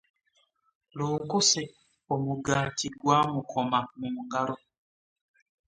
Lunkuse omugaati gwa mukoma mu ngalo.